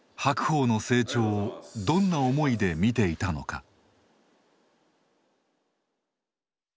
白鵬の成長をどんな思いで見ていたのか。